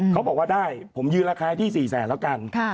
เขาบอกว่าได้ผมยืนราคาที่๔แสนแล้วกัน